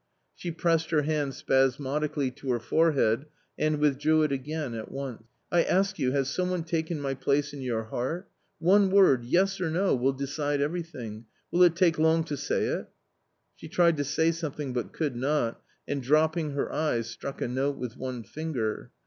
She pressed her hand spasmodically to her forehead and withdrew it again at once. " I ask you — has some one taken my place in your heart ? one word — yes or no — will decide everything ; will it take long to say it ?" She tried to say something but could not, and dropping her eyes struck a note with one finger.